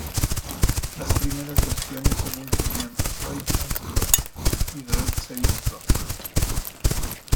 Las primeras versiones solo incluían Droid Sans Pro y Droid Serif Pro.